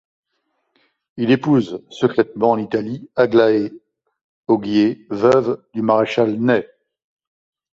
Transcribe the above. Il épouse secrètement en Italie Aglaé Auguié, veuve du maréchal Ney.